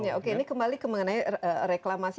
ya oke ini kembali ke mengenai reklamasi